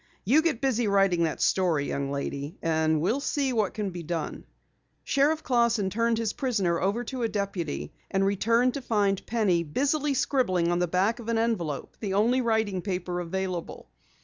You get busy writing that story, young lady, and we'll see what can be done." Sheriff Clausson turned his prisoner over to a deputy, and returned to find Penny busily scribbling on the back of an envelope, the only writing paper available.